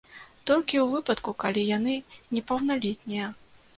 Толькі ў выпадку, калі яны непаўналетнія.